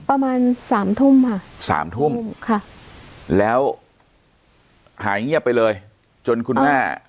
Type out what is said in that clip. ประมาณสามทุ่มค่ะสามทุ่มค่ะแล้วหายเงียบไปเลยจนคุณแม่